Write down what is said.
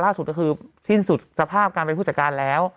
ล่าสุดก็คือสิ้นสุดสภาพการเป็นผู้จัดการแล้ว